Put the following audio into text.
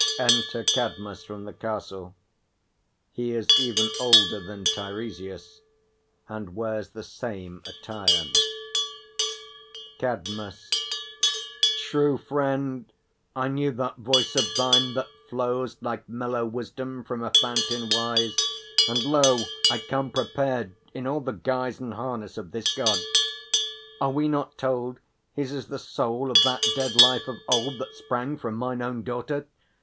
Enter CADMUS from the Castle. He is even older than TEIRESIAS, and wears the same attire. CADMUS. True friend! I knew that voice of thine, that flows Like mellow wisdom from a fountain wise. And, lo, I come prepared, in all the guise And harness of this God. Are we not told His is the soul of that dead life of old That sprang from mine own daughter?